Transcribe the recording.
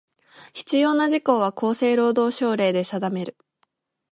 必要な事項は、厚生労働省令で定める。